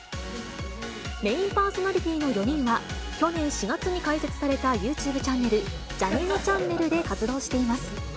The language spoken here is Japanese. メインパーソナリティーの４人は、去年４月に開設されたユーチューブチャンネル、ジャにのちゃんねるで活動しています。